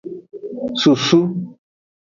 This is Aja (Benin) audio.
Susu.